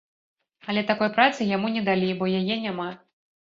Але такой працы яму не далі, бо яе няма.